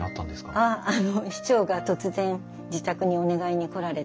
あの市長が突然自宅にお願いに来られたんで。